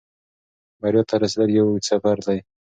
بریا ته رسېدل یو اوږد سفر دی.